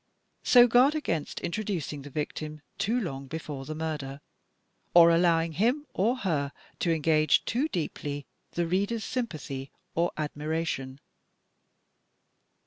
So guard against introducing the victim too long before the murder, or allowing him or her to engage too deeply the reader's sympathy or admiration.